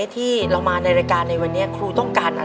ในแคมเปญพิเศษเกมต่อชีวิตโรงเรียนของหนู